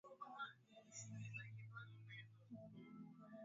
Usiku vikundi vidogo vya nyota zinazojulikana kama jembe Nkokua huonekana